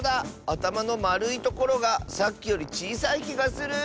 あたまのまるいところがさっきよりちいさいきがする。